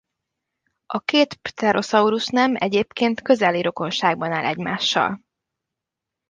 A két pteroszaurusz nem egyébként közeli rokonságban áll egymással.